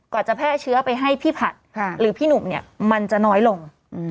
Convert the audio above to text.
จะแพร่เชื้อไปให้พี่ผัดหรือพี่หนุ่มเนี่ยมันจะน้อยลง